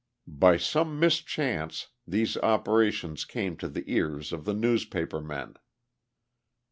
By some mischance, these operations came to the ears of the newspaper men.